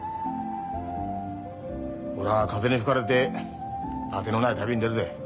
俺は風に吹かれて当てのない旅に出るぜ。